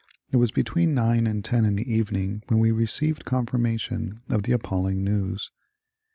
It was between nine and ten in the evening when we received confirmation of the appalling news.